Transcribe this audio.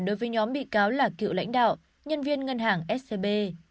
đối với nhóm bị cáo là cựu lãnh đạo nhân viên ngân hàng scb